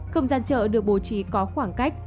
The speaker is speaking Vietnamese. không gian chợ được bố trí có khoảng cách